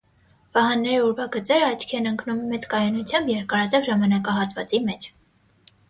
Վահանների ուրվագծերը աչքի են ընկնում մեծ կայունությամբ երկարատև ժամանակահատվածի մեջ։